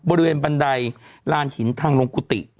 บริเวณบันไดลานหินทางลงกุฏิ